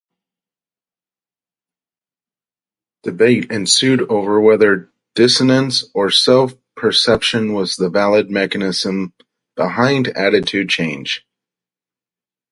Debate ensued over whether dissonance or self-perception was the valid mechanism behind attitude change.